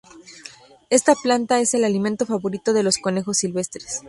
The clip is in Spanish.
Esta planta es el alimento favorito de los conejos silvestres.